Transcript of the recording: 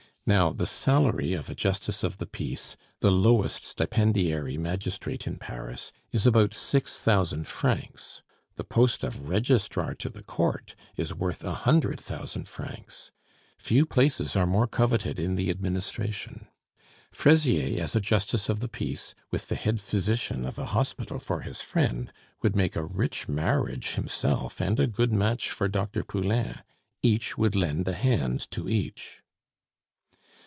Now the salary of a justice of the peace, the lowest stipendiary magistrate in Paris, is about six thousand francs. The post of registrar to the court is worth a hundred thousand francs. Few places are more coveted in the administration. Fraisier, as a justice of the peace, with the head physician of a hospital for his friend, would make a rich marriage himself and a good match for Dr. Poulain. Each would lend a hand to each.